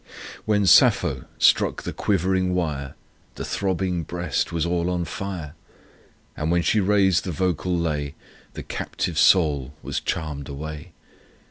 1 When Sappho struck the quivering wire, The throbbing breast was all on fire; And when she raised the vocal lay, The captive soul was charm'd away!